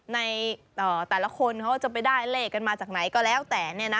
ในแต่ละคนเขาจะไปได้เลขกันมาจากไหนก็แล้วแต่